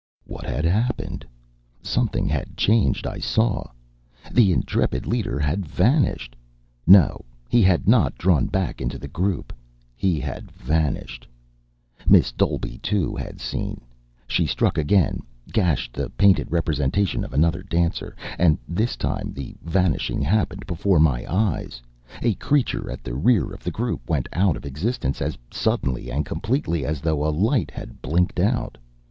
What had happened? Something had changed, I saw. The intrepid leader had vanished. No, he had not drawn back into the group. He had vanished. Miss Dolby, too, had seen. She struck again, gashed the painted representation of another dancer. And this time the vanishing happened before my eyes, a creature at the rear of the group went out of existence as suddenly and completely as though a light had blinked out.